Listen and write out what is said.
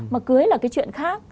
mà cưới là cái chuyện khác